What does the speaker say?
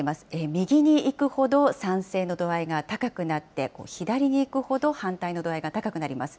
右にいくほど賛成の度合いが高くなって、左にいくほど反対の度合いが高くなります。